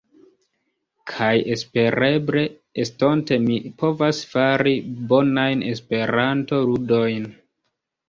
Kaj espereble estonte mi povas fari bonajn Esperantoludojn.